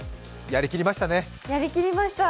やりきりました